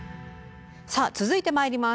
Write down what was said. さあ続いてまいります。